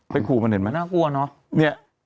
ขู่มันเห็นไหมน่ากลัวเนอะ